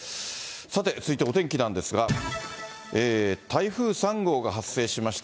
さて続いてお天気なんですが、台風３号が発生しました。